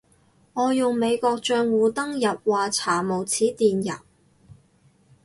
我用美國帳戶登入話查無此電郵